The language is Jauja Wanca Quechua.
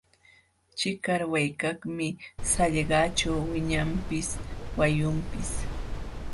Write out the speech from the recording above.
Chikarwaykaqmi sallqaćhu wiñanpis wayunpis.